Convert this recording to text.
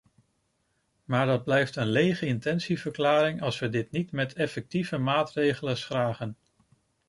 Maar dat blijft een lege intentieverklaring als we dit niet met effectieve maatregelen schragen.